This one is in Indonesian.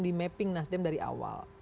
di mapping nasdem dari awal